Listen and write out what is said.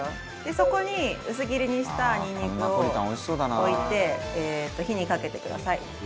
そこに薄切りにしたにんにくを置いて火にかけてください。